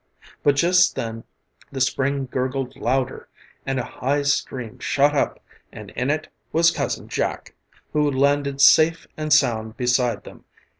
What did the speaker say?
But just then the spring gurgled louder and a high stream shot up and in it was Cousin Jack, who landed safe and sound beside them.